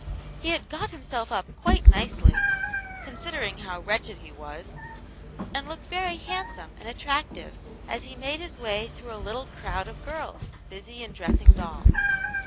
He had got himself up quite nicely, considering how wretched he was, and looked very handsome and attractive as he made his way through a little crowd of girls, busy in dressing dolls.